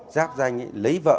giáp danh lấy vợ